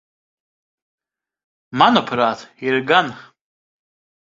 Manuprāt, ir gan.